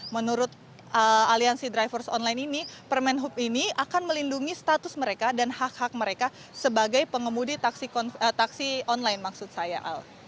menurut aliansi drivers online ini permen hub ini akan melindungi status mereka dan hak hak mereka sebagai pengemudi taksi online maksud saya al